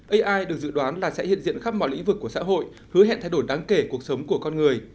ai được dự đoán là sẽ hiện diện khắp mọi lĩnh vực của xã hội hứa hẹn thay đổi đáng kể cuộc sống của con người